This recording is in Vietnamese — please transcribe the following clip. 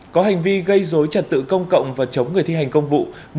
có hành vi gây dối trật tự công cộng và chống người thi hành công vụ